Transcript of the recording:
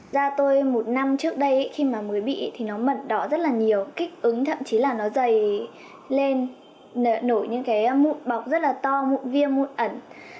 da tôi một năm trước đây khi mà mới bị thì nó mận đỏ rất là nhiều kích ứng thậm chí là nó dày lên nổi những cái mụn bọc rất là to mụ viêm mụn ẩn